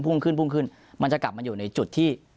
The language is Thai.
ขึ้นพุ่งขึ้นมันจะกลับมาอยู่ในจุดที่